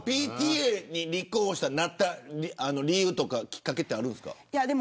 ＰＴＡに立候補した理由とかきっかけはあるんですか。